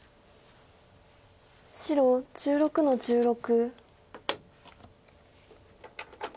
白１６の十六。